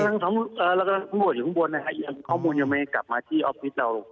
เรากำลังควบรุที่ข้างบนค่อยเนียงข้อมูลยังไม่กลับมาออฟฟิศเรา